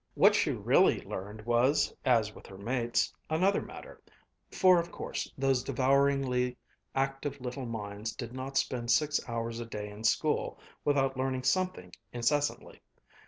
What she really learned was, as with her mates, another matter for, of course, those devouringly active little minds did not spend six hours a day in school without learning something incessantly.